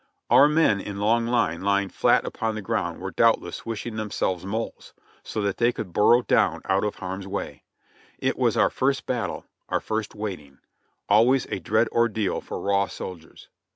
Our men in long line lying flat upon the ground were doubtless wishing themselves moles so that they could burrow down out of harm's way. It was our first battle, our first waiting; always a dread ordeal for raw soldiers.